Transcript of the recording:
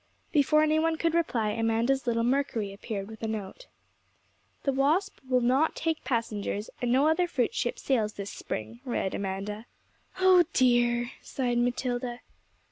Before anyone could reply, Amanda's little Mercury appeared with a note. 'The "Wasp" will not take passengers, and no other fruit ship sails this spring,' read Amanda. 'Oh dear!' sighed Matilda.